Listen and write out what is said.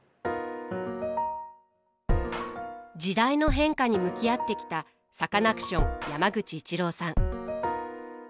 時代の変化に向き合ってきたサカナクション山口一郎さん。